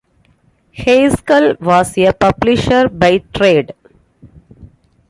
Heiskell was a publisher by trade.